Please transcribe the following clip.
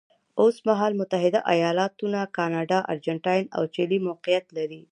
اوس مهال متحده ایالتونه، کاناډا، ارجنټاین او چیلي موقعیت لري.